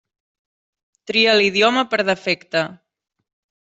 Tria l'idioma per defecte.